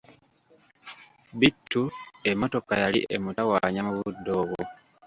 Bittu emmotoka yali emutawanya mu budde obwo.